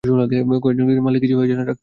কয়েকজনকে মারলেই কিছু হয়ে যায় না, ডাক্তার।